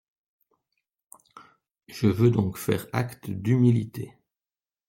Je veux donc faire acte d’humilité